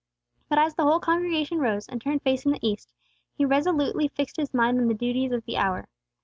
But as the whole congregation arose, and turned facing the east, he resolutely fixed his mind on the duties of the hour.